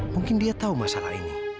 mungkin dia tahu masalah ini